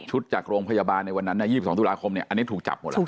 จากโรงพยาบาลในวันนั้น๒๒ตุลาคมอันนี้ถูกจับหมดแล้ว